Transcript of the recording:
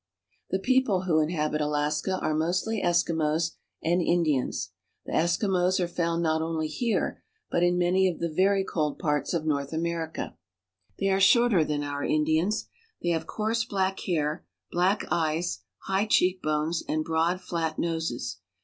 The people who inhabit Alaska are mostly Eskimos and Indians. The Eskimos are found not only here, but in many of the very cold parts of North America. They are shorter than our Indians. They have coarse black hair, black eyes, high cheek bones, and broad, flat noses.